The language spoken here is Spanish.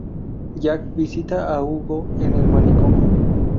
Jack visita a Hugo en el manicomio.